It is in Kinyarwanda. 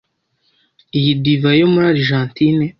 Iyi divayi yo muri Arijantine?